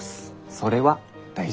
それは大丈夫。